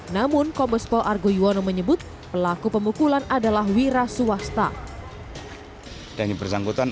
namun kombespol argo yuwono menyebut pelaku pemukulan adalah wira swasta